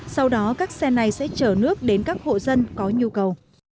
sau đó các xe này sẽ chở nước đến các hộ dân có nhu cầu